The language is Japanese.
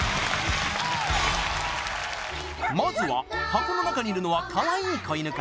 まずは箱の中にいるのはかわいい子イヌか？